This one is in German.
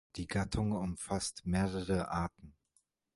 Die Gattung umfasst mehrere Arten.